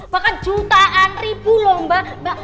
bahkan jutaan ribu lho mbak